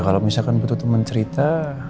ya kalo misalkan butuh temen cerita